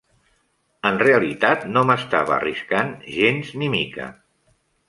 En realitat, no m'estava arriscant gens ni mica.